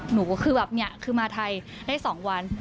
หนูก็คือแบบเนี่ยคือมาไทยได้๒วัน